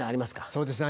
そうですね